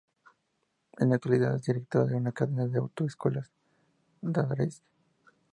En la actualidad es director de una cadena de auto-escuelas en Gdańsk.